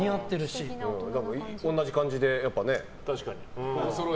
同じ感じで、やっぱね。